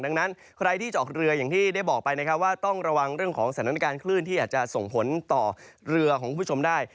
ดังนั้นใครที่จะออกเรืออย่างที่ได้บอกไปนะครับว่าต้องระวังเรื่องของสถานการณ์คลื่นที่อาจจะส่งผลต่อเรือของคุณผู้ชมได้